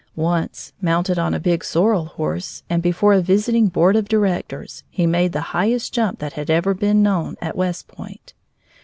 Once, mounted on a big sorrel horse, and before a visiting "Board of Directors," he made the highest jump that had ever been known at West Point.